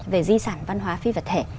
về di sản văn hóa phi vật thể